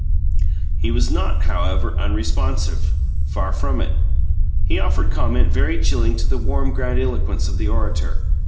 He was not, however, unresponsive far from it. He offered comment very chilling to the warm grandiloquence of the orator.